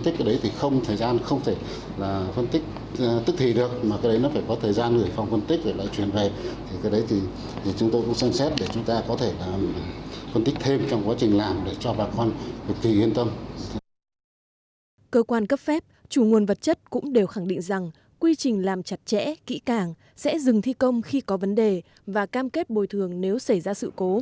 trong quan cấp phép chủ nguồn vật chất cũng đều khẳng định rằng quy trình làm chặt chẽ kỹ càng sẽ dừng thi công khi có vấn đề và cam kết bồi thường nếu xảy ra sự cố